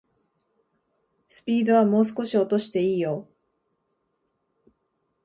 スピードはもう少し落としていいよ